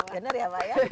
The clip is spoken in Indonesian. genar ya pak ya